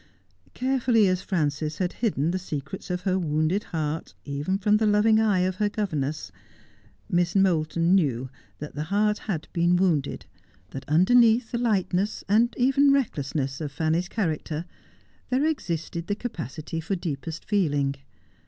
Care fully as Frances had hidden the secrets of her wounded heart, even from the loving eye of her governess, Miss Moulton knew that the heart had been wounded, that underneath the lightness, and even recklessness, of Fanny's character, there existed the capacity for deepest feeling.